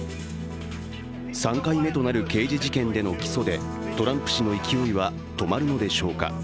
３回目となる刑事事件での起訴でトランプ氏の勢いは止まるのでしょうか。